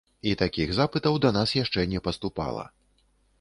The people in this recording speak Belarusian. І такіх запытаў да нас яшчэ не паступала.